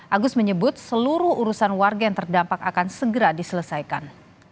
agus menyebut seluruh urusan warga yang terdampak akan segera diselesaikan